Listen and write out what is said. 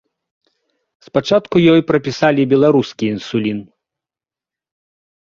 Спачатку ёй прапісалі беларускі інсулін.